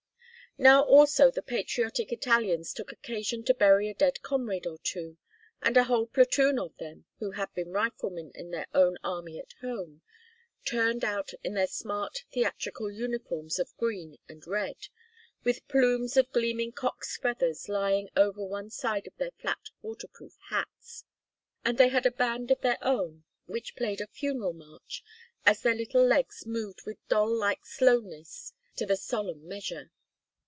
Now also the patriotic Italians took occasion to bury a dead comrade or two, and a whole platoon of them, who had been riflemen in their own army at home, turned out in their smart, theatrical uniforms of green and red, with plumes of gleaming cock's feathers lying over one side of their flat waterproof hats. And they had a band of their own which played a funeral march, as their little legs moved with doll like slowness to the solemn measure.